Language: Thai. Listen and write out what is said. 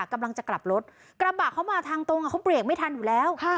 กำลังจะกลับรถกระบะเขามาทางตรงเขาเบรกไม่ทันอยู่แล้ว